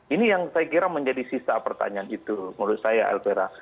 ini yang saya kira menjadi sisa pertanyaan itu menurut saya elvira